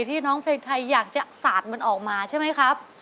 ที่น้องเพลงไทยอยากจะสาดมันออกมาใช่ไหมครับ